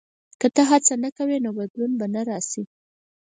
• که ته هڅه نه کوې، نو بدلون به نه راشي.